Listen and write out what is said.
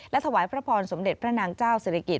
ถวายพระพรสมเด็จพระนางเจ้าศิริกิจ